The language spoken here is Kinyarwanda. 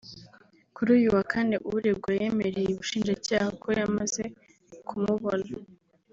Kuri uyu wa Kane uregwa yemereye Ubushinjacyaha ko yamaze kumubona